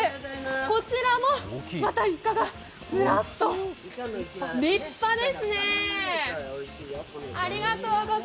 こちらもまたイカがずらっと、立派ですね。